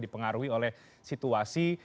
dipengaruhi oleh situasi